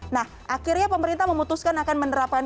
nah akhirnya pemerintah memutuskan akan menerapkan